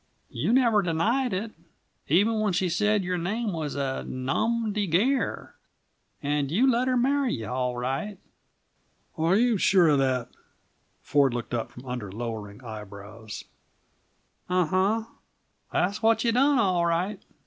"You never denied it, even when she said your name was a nomdy gair; and you let her marry you, all right." "Are you sure of that?" Ford looked up from under lowering eyebrows. "Unh hunh that's what you done, all right."